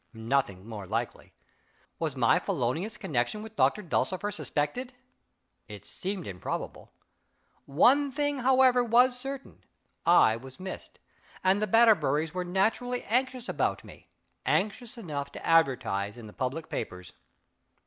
(Nothing more likely.) Was my felonious connection with Doctor Dulcifer suspected? (It seemed improbable.) One thing, however, was certain: I was missed, and the Batterburys were naturally anxious about me anxious enough to advertise in the public papers.